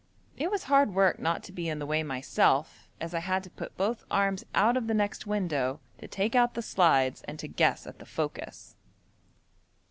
It was hard work not to be in the way myself, as I had to put both arms out of the next window to take out the slides, and to guess at the focus.